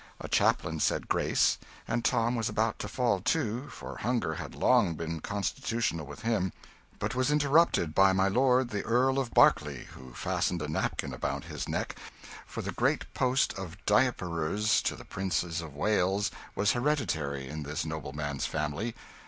A chaplain said grace, and Tom was about to fall to, for hunger had long been constitutional with him, but was interrupted by my lord the Earl of Berkeley, who fastened a napkin about his neck; for the great post of Diaperers to the Prince of Wales was hereditary in this nobleman's family.